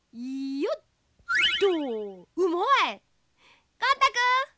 よっと。